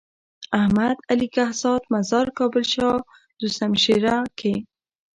احمد علي کهزاد مزار کابل شاه دو شمشيره کي۔